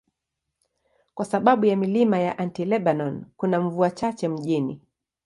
Kwa sababu ya milima ya Anti-Lebanon, kuna mvua chache mjini.